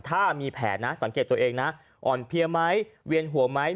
ถ้ามีแผลนะสังเกตตัวเองนะอ่อนเพลียไหมเวียนหัวไหม